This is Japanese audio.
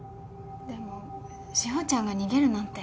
でも志法ちゃんが逃げるなんて。